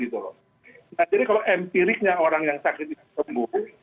jadi kalau empiriknya orang yang sakit itu sembuh